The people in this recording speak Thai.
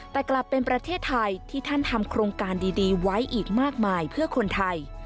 แต่กลับเป็นประเทศไทยที่ท่านทำโครงการดีไว้อีกมากมายเพื่อคนไทย